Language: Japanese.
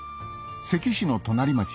関市の隣町